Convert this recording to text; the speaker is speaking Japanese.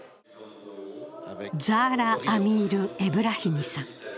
ザーラ・アミール・エブラヒミさん。